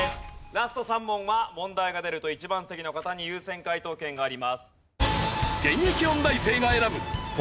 ラスト３問は問題が出ると１番席の方に優先解答権があります。